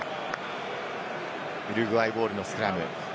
ウルグアイボールのスクラム。